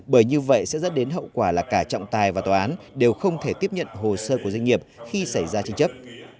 bởi như vậy sẽ dẫn đến hậu quả là cả trọng tài và tòa án đều không thể tiếp nhận hồ sơ của doanh nghiệp khi xảy ra tranh chấp